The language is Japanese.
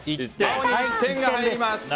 青に１点が入ります。